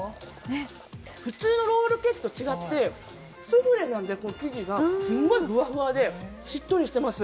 普通のロールケーキと違って生地がスフレなんですごいふわふわでしっとりしています。